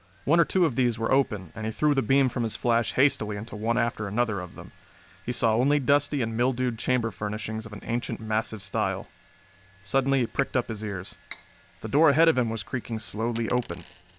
One or two of these were open, and he threw the beam from his flash hastily into one after another of them. He saw only dusty and mildewed chamber furnishings of an ancient massive style. Suddenly he pricked up his ears. The door ahead of him was creaking slowly open.